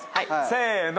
せの。